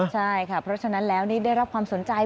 ใช่ค่ะเพราะฉะนั้นแล้วนี่ได้รับความสนใจ